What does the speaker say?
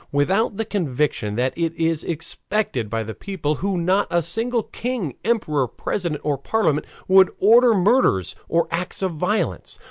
Without the conviction that it is expected by the whole people not a single king, emperor, president, or parliament would order murders or acts of violence.